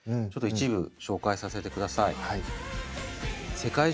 ちょっと一部紹介させてください。